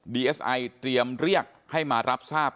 เอสไอเตรียมเรียกให้มารับทราบ